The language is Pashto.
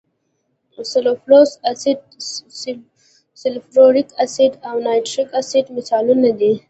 سلفورس اسید، سلفوریک اسید او نایتریک اسید مثالونه دي.